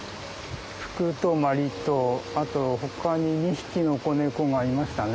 ふくとまりとあとほかに２匹の子猫がいましたね。